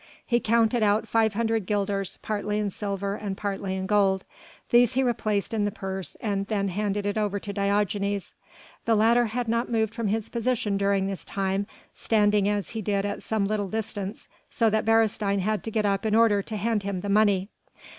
He counted out five hundred guilders, partly in silver and partly in gold. These he replaced in the purse and then handed it over to Diogenes. The latter had not moved from his position during this time, standing as he did at some little distance so that Beresteyn had to get up in order to hand him the money.